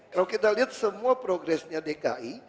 kalau kita lihat semua progresnya dki